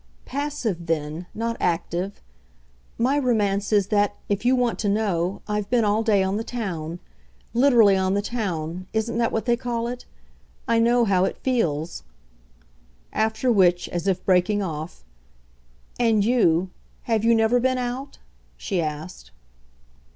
"Passive then not active. My romance is that, if you want to know, I've been all day on the town. Literally on the town isn't that what they call it? I know how it feels." After which, as if breaking off, "And you, have you never been out?" she asked.